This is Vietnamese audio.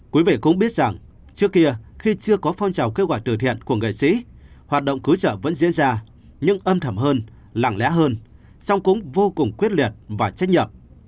quý vị cũng biết rằng trước kia khi chưa có phong trào kêu gọi từ thiện của nghệ sĩ hoạt động cứu trợ vẫn diễn ra nhưng âm thầm hơn lặng lẽ hơn song cũng vô cùng quyết liệt và trách nhiệm